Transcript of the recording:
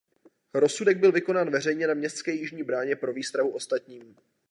Rozsudek byl vykonán veřejně na městské Jižní bráně pro výstrahu ostatním.